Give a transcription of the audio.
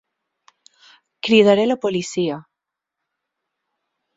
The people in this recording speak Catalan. Cridaré la policia.